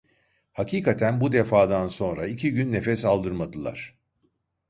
Hakikaten, bu defadan sonra iki gün nefes aldırmadılar.